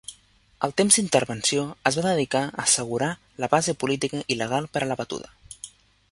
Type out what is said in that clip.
El temps d'intervenció es va dedicar a assegurar la base política i legal per a la batuda.